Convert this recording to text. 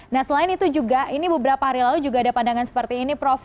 nah selain itu juga ini beberapa hari lalu juga ada pandangan seperti ini prof